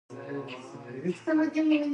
افغانستان د دریابونه لپاره مشهور دی.